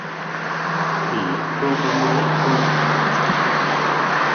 Khỉ cô ôm lấy Quân